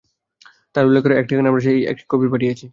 তার উল্লেখ করা ঠিকানায় আমরা সেই এক কপি পাঠিয়েছি।